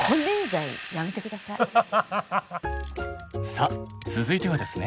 さあ続いてはですね。